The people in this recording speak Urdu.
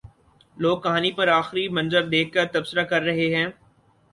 لوگ کہانی پر آخری منظر دیکھ کر تبصرہ کر رہے ہیں۔